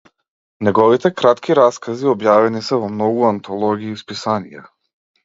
Неговите кратки раскази објавени се во многу антологии и списанија.